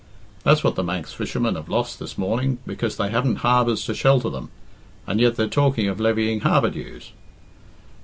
That's what the Manx fishermen have lost this morning because they haven't harbours to shelter them, and yet they're talking of levying harbour dues."